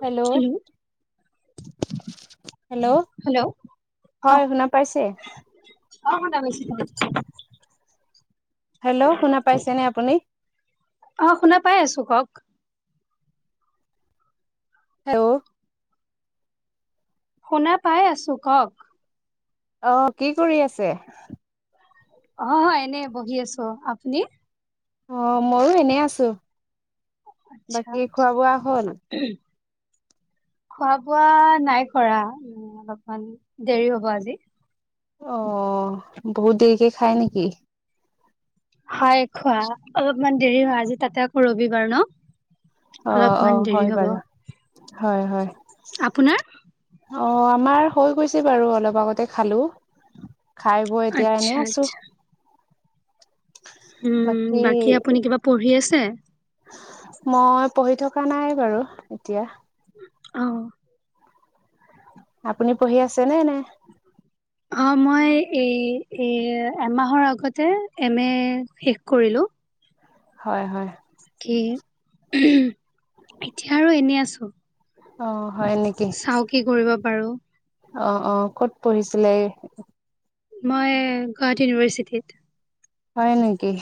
Hello, hello, অ হয় শুনা পাইছে। অ, শুনা পাইছো। [inaudible] হেল্ল', শুনা পাইছেনে আপুনি? অ, শুনা পাই আছো কওক। হেল্ল', শুনা পাই আছো কওক। অ, কি কৰি আছে? অ, হয় এনে বহি আছো আপুনি? অ, ময়ো এনে আছো আচ্ছা বাকী খোৱা বোৱা হ'ল। [inaudible] খোৱা-বোৱা নাই কৰা অলপমান দেৰি হ'ব আজি। অ' বহুত দেৰিকে খায় নেকি? হয় খোৱা অলপমান দেৰি হয়, আজি তাতে আকৌ ৰবিবাৰ ন'। অ', অলপমান -অ' দেৰি হয় হ'ব বাৰু হয়-হয়। আপোনাৰ অ' আমাৰ হৈ গৈছে বাৰু অলপ আগতে খালো। খাই বৈ এতিয়া এনেই আচ্ছা আছো। আচ্ছা উম, বাকী আপুনি কিবা পঢ়ি আছে? মই পঢ়ি থকা নাই বাৰু এতিয়া। অ'। আপুনি পঢ়ি আছে নে নে। অ', মই এই এ-এমাহৰ আগতে এম এ শেষ কৰিলো। হয়-হয়। কি এতিয়া আৰু এনে আছো। অ'। হয় নেকি চাও কি কৰিব পাৰো। অ', -অ' ক'ত পঢ়িছিলে? মই গুৱাহাটী ইউনিভাৰ্চিটিত। হয় নেকি,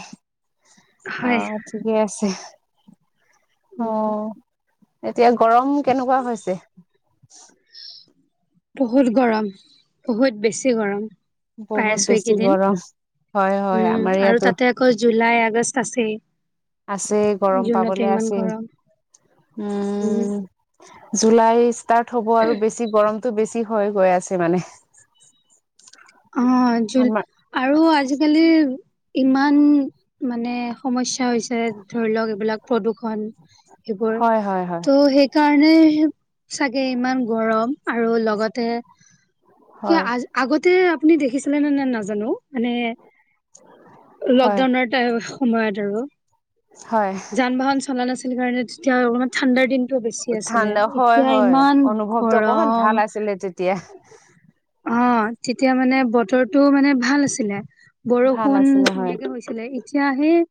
হয় অ' ঠিকে আছে। উম অ' এতিয়া গৰম কেনেকুৱা হৈছে। বহুত গৰম বহুত বেছি গৰম। পাই বহুত আছো বেছি এইকেইদিন গৰম হয় হয় উম আমাৰ আৰু ইয়াতো তাতে আকৌ জুুলাই, আগষ্ট আছেই। আছে গৰম জুনতো পাবলৈ ইমান আছে গৰম উম উম'। জুলাই ষ্টাৰ্ট হ'ব আৰু বেছি গৰমতটো বেছি হৈ গৈ আছে মানে অ' জোল আমাৰ আৰু আজিকালি ইমান মানে সমস্যা হৈছে ধৰি লওক এইবিলাক প্ৰদূষণ। সেইবোৰ হয় হয় হয় ত' সেই কাৰণে চাগে ইমান গৰম আৰু লগতে কিয় হয় আজি আগতে আপুনি দেখিছিলে নে নাই নাজানো মানে হয় লকডাউনৰ সময়ত আৰু হয় যান-বাহন চলা নাছিল। সেই কাৰণে যেতিয়া অলপমান ঠাণ্ডাৰ দিন টো বেছি আছিলে ঠাণ্ডা হয় এতিয়া হয় ইমান অনুভৱটো অকমান ভাল গৰম। আছিলে তেতিয়া অ'। তেতিয়া মানে বতৰটো মানে ভাল আছিলে, ভাল বৰষুণ আছিলে হয় ধুনীয়াকে হৈছিলে কি এতিয়া হেই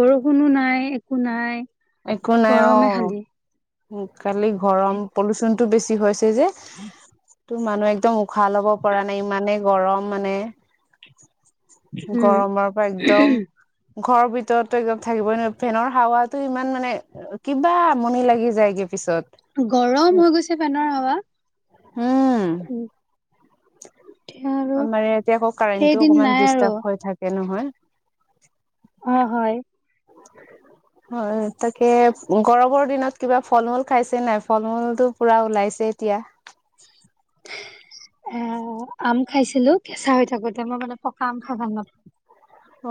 বৰষুণো নাই একো নাই একো নাই গৰমে খালি অ' কালি গৰম পলুচনটো বেছি হৈছে যে। [inaudible] টো মানুহে একদম উশাহ লব পৰা নাই, ইমানে গৰম মানে উম গৰমৰ পৰা একদম ঘৰৰ ভিতৰতো একদম থাকিবই নোৱাৰি ফেনৰ হাৱাতো ইমান মানে কিবা আমনি লাগি যায়গৈ। গৰম হৈ গৈছে, ফেনৰ হাৱা। উম উম'। আমাৰ ইয়াতে আকৌ কাৰেণ্টো সেইদিন অকমান নাই আৰু ডিষ্টাৰ্ব হৈ থাকে নহয়। অ' হয়। [inaudible] হয়, তাকে গৰমৰ দিনত কিবা ফল-মূল খাইছে নাই ফল-মূলটো পুৰা ওলাইছে। তেতিয়া এ আম খাইছিলো, কেঁচা হৈ থাকোতে মই মানে পকা আম খাই ভাল নাপাওঁ।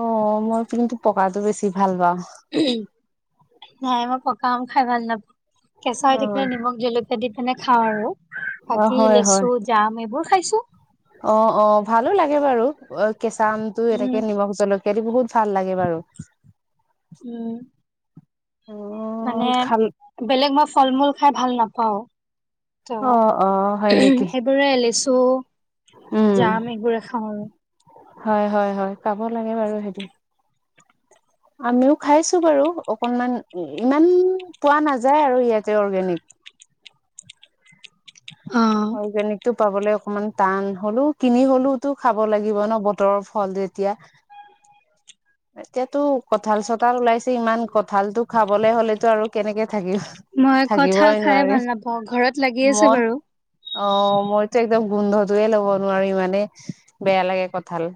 অ'মই কিন্তু পকাটো বেছি ভাল পাওঁ। নাই মই পকা আম খাই ভাল নাপাওঁ। কেঁচা হৈ অ থাকিলে নিমখ জলকীয়া দি পিনে খাওঁ আৰু। অ বাকি হয় হয়। লেচু, জাম এইবোৰ খাইছো। অ', অ', ভালো লাগে বাৰু অ', কেঁচা আমটো উম এনেকে নিমখ জলকীয়া দি বহুত ভাল লাগে বাৰু। উম। অ মানে খাল বেলেগ মই ফল, মূল খাই ভাল নাপাওঁ। অ অ হয় ত' নেকি এইবোৰে লেচু উম। জাম এইবোৰে খাওঁ আৰু। হয়, হয়, হয়, খাব লাগে বাৰু সেইটো। আমিও খাইছোঁ বাৰু অকনমান ইমান পোৱা নাযায়, আৰু ইয়াতে অৰ্গেনিক। অ অৰ্গেনিকটো পাবলে অকমান টান হ'লেও কিনি হ'লেওতো খাব লাগিব ন' বতৰৰ ফল যেতিয়া। এতিয়াতো কঁঠাল, চটাল ওলাইছে ইমান কঁঠালটো খাবলে হ'লেতো আৰু কেনেকে থাকি মই কঁঠাল থাকিবই খাই নোৱাৰিম ভাল নাপাওঁ ঘৰত লাগি আছে মই বাৰু। অ মইতো একদম গোন্ধটোৱে ল'ব নোৱাৰো ইমানে বেয়া লাগে কঁঠাল।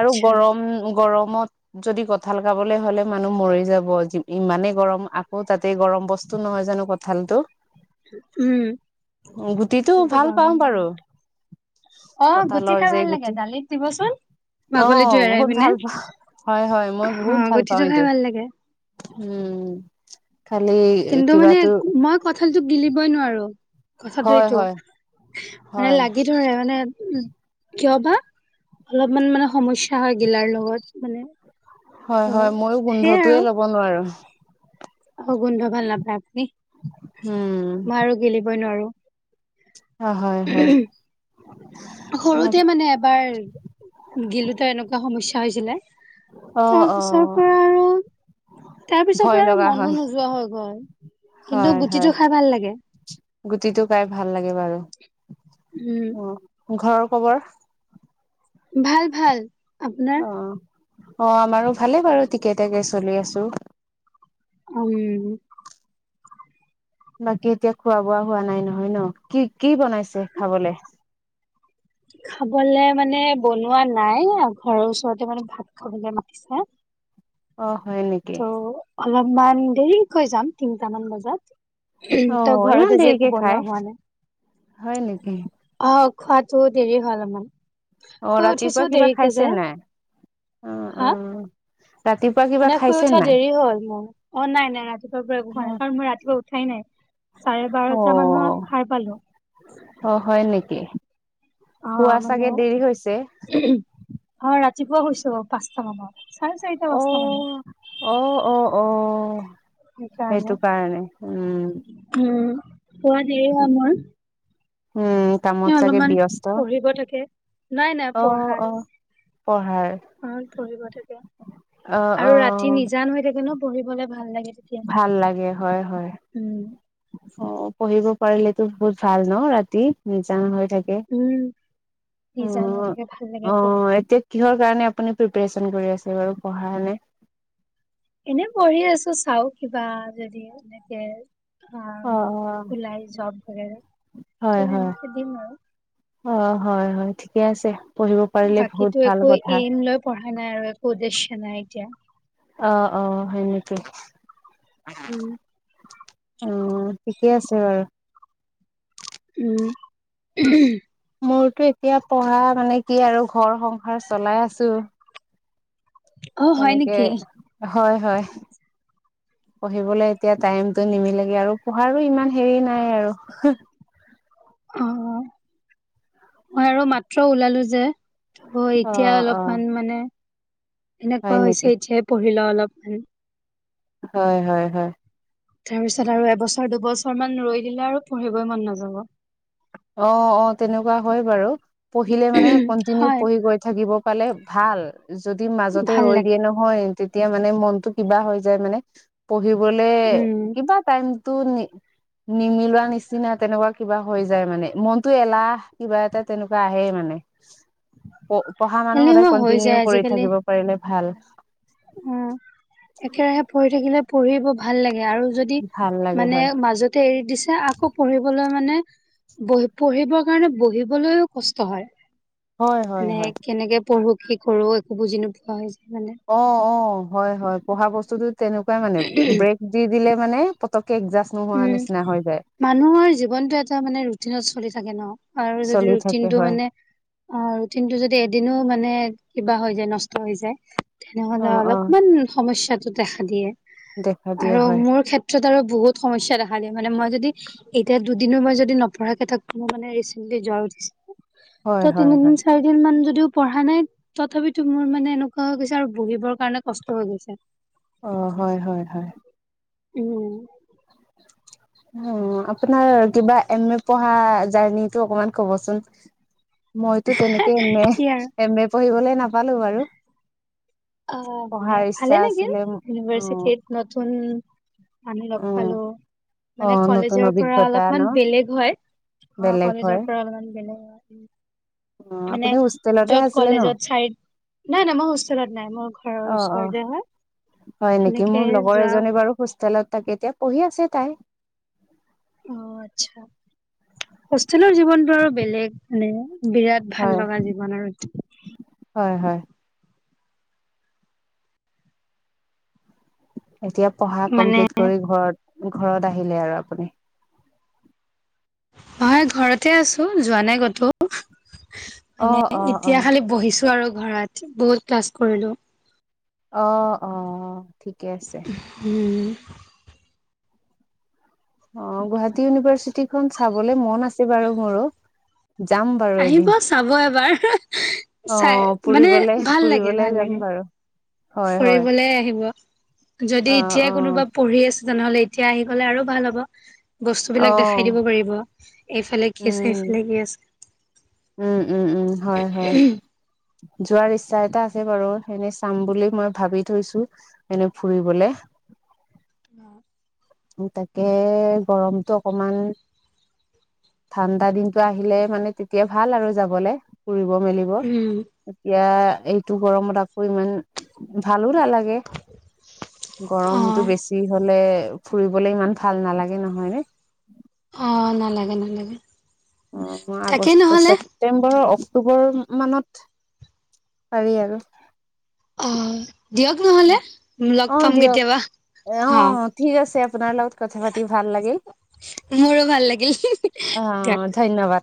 আৰু গৰম, গৰ মত যদি কঁঠাল খাবলে হ'লে মানুহ মৰি যাব, যি-ইমানেই গৰম আকৌ তাতে গৰম বচ তো, নহয় জানোঁ, কঁঠালটো? উম, গুটিটো কঁঠালটো ভাল পাওঁ গৰম বাৰু [unintelligible] অ', গুটি কঁঠালৰ খাই যে ভাল গুটি লাগে দালিত দিবচোন। বাকলিটো অ', এৰাই বহুত পিনে ভাল পাওঁ হয়, হয়, মই হা বহুত ভাল গুটিটো পাওঁ খাই এইটো। ভাল লাগে উম, খালি কিন্তু মানে কিবাতো মই কঁঠালটো গিলিবই নোৱাৰো। কথাটো হয় এইটো হয় মানে হয় লাগি ধৰে মানে উম। কিয় বা? অলপমান মানে সমস্যা হয়, গিলাৰ লগত মানে ত হয়, হয়, মইয়ো সেইয়াই গোন্ধটোয়ে আৰু ল'ব নোৱাৰোঁ। অ গোন্ধ ভাল নাপায় আপুনি উম মই আৰু গিলিবই নোৱাৰো হয়, হয়। সৰুতে মানে এবাৰ গিলোতে এনেকুৱা সমস্যা হৈছিলে। অ অ তাৰপিছৰ পৰা আৰু। তাৰপিছৰ ভয় পৰা আৰু লগা মনো হয় নোযোৱা হৈ গ'ল, কিন্তু হয় হয় গুটিটো খাই ভাল লাগে। গুটিটো খাই ভাল লাগে বাৰু। উম। অ ঘৰৰ খবৰ? ভাল, ভাল আপোনাৰ? অ অ', আমাৰো ভালে বাৰু ঠিকে ঠাকে চলি আছোঁ। উম। বাকী এতিয়া খোৱা বোৱা হোৱা নাই নহয় ন কি কি বনাইছে খাবলে? খাবলে মানে বনোৱা নাই, ঘৰৰ ওচৰতে মানে ভাত খাবলে মাতিছে। অ' হয় নেকি ত' অলপমান দেৰিকৈ যাম তিনটামান বজাত। অ ত' ইমান ঘৰত আজি দেৰিকে একো খাই বনোৱা হোৱা নাই। হয়, নেকি? অ', খোৱাতো দেৰি হয়, অলপমান। অ শুই ৰাতিপুৱা উঠিছোঁ কিবা দেৰিকে যে খাইছে নাই অ অ হা ৰাতিপুৱা কিবা মানে শুই খাইছে উঠা নাই দেৰি হয়, মোৰ। অ', নাই, নাই ৰাতিপুৱাৰ পৰা একো খোৱা নাই, কাৰণ মই ৰাতিপুৱা উঠাই নাই। চাৰে অ বাৰটা মানত সাৰ পালোঁ। অ', হয়, নেকি? অ শুৱা মানে চাগে দেৰি হৈছে অ ৰাতি ৰাতিপুৱা শুইছো পাঁচটা মানত চাৰেচাৰিটা অ পাঁচটা মানে অ অ অ সেইটো কাৰণে উম উম শুৱা দেৰি হয়, মোৰ। উম এ কামত চাগে অলমান ব্যস্ত পঢ়িব থাকে নাই নাই অ পঢ়াৰ অ পঢ়াৰ অ পঢ়িব থাকে অ অ আৰু ৰাতি নিজান হৈ থাকে ন পঢ়িবলে ভাল লাগে তেতিয়া ভাল লাগে হয় হয় উম অ পঢ়িব পাৰিলে ত বহুত ভাল ন ৰাতি নিজান হয় উম নিজান হৈ থাকে ভাল লাগে অ পঢ়ি এতিয়া কিহৰ কাৰণে আপুনি প্ৰিপেৰে্চন কৰি আছে বাৰু পঢ়াৰ এনে পঢ়ি আছো চাও কিবা যদি এনেকে আ ম অ', ওলাই জব কৰে আৰু ত হয়, হয়। এনেকে দিম মই অ হয় হয় ঠিকে আছে পঢ়িব পাৰিলে বহুত বাকীতো ভাল একো কথা। এইম লৈ পঢ়া নাই আৰু একো উদ্দেশ্য নাই এতিয়া অ অ হয় নিকি উম অ ঠিকে আছে বাৰু উম মোৰতো এতিয়া পঢ়া মানে কি আৰু ঘৰ সংসাৰ চলাই আছো অ হয় তেনেকে নেকি হয় হয় পঢ়িবলে এতিয়া টাইমটো নিমিলেগে আৰু পঢ়াৰো ইমান হেৰি নাই আৰু অ', মই আৰু মাত্ৰ ওলালোঁ যে। অ এতিয়া অ', অ', অলপমান মানে হয় এনেকুৱা হৈছে নেকি এতিয়াই পঢ়ি লওঁ অলপমান হয় হয় হয় তাৰ পিছত আৰু এবছৰ দুবছৰ মান ৰৈ দিলে আৰু পঢ়িবই মন নাযাব অ অ তেনেকুৱা হয় বাৰু পঢ়িলে মানে কন্টিনিউ হয় পঢ়ি গৈ থাকিব পালে ভাল যদি মাজতে ভাল ৰৈ লাগে দিয়ে নহয় তেতিয়া মানে মনটো কিবা হৈ যায় মানে পঢ়িবলে উম কিবা টাইম টো নিমিলোৱা নিচিনা তেনেকুৱা কিবা হৈ য যাই মানে মনতো এলাহ কিবা এটা তেনেকুৱা আহে মানে অ পঢ়া মানুহ সদায় এলেহুৱা হৈ কন্টিনিউ কৰি থাকিব পাৰিলে ভাল অ একেৰাহে পঢ়ি থাকিলে পঢ়িব ভাল লাগে আৰু যদি ভাল লাগে মানে হয় মাজতে এৰি দিছা আকৌ পঢ়িবলৈ মানে বহি পঢ়িবৰ কাৰণে বহিবলৈও কষ্ট হয় হয় হয় মানে হয় কেনেকে পঢ়ো কি কৰো একো বুজি নোপোৱা হৈ যায় মানে। অ অ হয় হয় পঢ়া বস্তুটো তেনেকুৱাই মানে ব্ৰেক দি দিলে মানে পটক উম মানুহৰ জীৱনটো এটা মানে ৰুটিনত চলি থাকে ন আৰু যদি চলি থাকে ৰুটিনটো হয় মানে অ ৰুটিন টো যদি এদিনো মানে কিবা হৈ যায় নষ্ট হৈ যায় তেনেহলে অ', অ', অলপমান সমস্যাটো দেখা দিয়ে দেখা দিয়া আৰু হয়, মোৰ ক্ষেত্ৰত আৰু বহুত সমস্যা দেখা দিয়ে মানে মই যদি এতিয়া দুদিনো মই যদি নপঢ়াকে থাকো মানে ৰিচেন্টলি জৰ উঠিছিল ত হয়, হয়, তিনিদিন হয়, চাৰিদিন মান যদিও পঢ়া নাই তথাপিতো মোৰ মানে এনেকুৱা হৈ গৈছে আৰু বহিবৰ কাৰণে কষ্ট হৈ গৈছে অ হয় হয় হয় উম উ আপোনাৰ কিবা এম এ পঢ়া জাৰ্ণিটো অকমান ক'বচোন মইতো তেনেকে এম এ কি আৰু এম এ পঢ়িবলে নাপালো বাৰু অ মানে পঢ়াৰ ইচ্ছা ভালে লাগিল আছিলে অ', ইউনিভাৰ্চিটিত নতুন আমি লগ উম। পালো মানে অ', নতুন কলেজৰ পৰা অভিজ্ঞতা ন অলপমান বেলেগ হয়। অ', বেলেগ কলেজৰ হয়, পৰা অ', মানে আপুনি হোষ্টেলতে য'ত আছিলে ন? কলেজত চাই নাই নাই মই হোষ্টেলত। নাই মোৰ ঘৰৰ অ', অ', ওচৰতে হয়। হয় নেকি সেনেকে মোৰ লগৰ যোৱা এজনী বাৰু হোষ্টেলত থাকে এতিয়া পঢ়ি আছে তাই। অ আচ্ছা হোষ্টেলৰ জীৱনটো আৰু বেলেগ মানে বিৰাট ভাল হয়, লগা জীৱন আৰু। হয়, হয়, এতিয়া পঢ়া মানে কমপ্লিট কৰি ঘৰত ঘৰত আহিলে আৰু আপুনি। মই ঘৰতে আছো যোৱা নাই ক'তো। মানে অ', অ', এতিয়া অ'। খালি বহিছো আৰু ঘৰত বহুত ক্লাছ কৰিলো। অ', অ'। ঠিকে আছে হম। অ', গুৱাহাটী ইউনিভাৰ্চিটি খন চাবলে মন আছে বাৰু মোৰো। যাম বাৰু আহিব এদিন চাব এবাৰ চাই অ', মানে ফুৰিবলে ফুৰিবলে যাম বাৰু। অ ফুৰিবলৈ আহিব যদি অ', এতিয়াই অ', কোনোবা পঢ়ি আছ। তেনেহলে এতিয়া আহি গলে আৰু ভাল হব বস্তু বিলাক দেখাই অ', দিব পাৰিব। এইফালে কি আছে উম, এইফালে কি আছে? উম উম উম হয় হয় যোৱাৰ ইচ্ছা এটা আছে। ছে বাৰু এনেই চাম বুলি মই ভাবি থৈছো এনে ফুৰিবলে। অ'। তাকে গৰমটো অকমান। ঠাণ্ডা দিনটো আহিলে মানে তেতিয়া ভাল আৰু যাবলে। ফুৰিব মেলিব উম। এতিয়া এইটো গৰমত আকৌ ইমান ভাল ভালো নালাগে গৰমতটো অ', বেছি হ'লে। ফুৰিবলে ইমান ভাল নালাগে নহয় ন'। অ', নালাগে নালাগে। অ', তাকেই আগষ্ট নহ'লে ছেপটেম্বৰ বৰ মানত পাৰি আৰু অ', দিয়ক নহ'লে লগ অ পাম দিয়ক কেতিয়াবা। অ', ঠিক আছে আপোনাৰ লগত কথা পাতি ভাল লাগিল। মোৰো ভাল লাগিল অ দে। ধন্যবাদ।